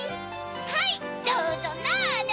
はいどうぞなの！